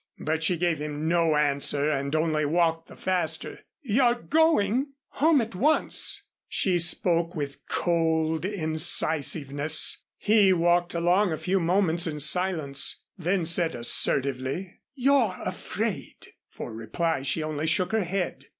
But she gave him no answer and only walked the faster. "You're going?" "Home at once." She spoke with cold incisiveness. He walked along a few moments in silence then said assertively: "You're afraid." For reply she only shook her head.